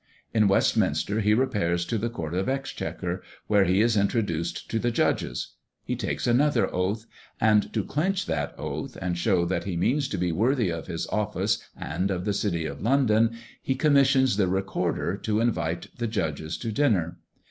In Westminster he repairs to the Court of Exchequer, where he is introduced to the Judges. He takes another oath; and to clinch that oath, and show that he means to be worthy of his office and of the City of London, he commissions the Recorder to invite the Judges to dinner.